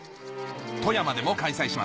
富山でも開催します